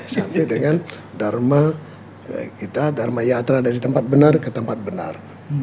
sampai dengan dharma kita dharma yatra dari tempat benar ke tempat benar